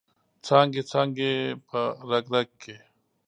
څانګې، څانګې په رګ، رګ کې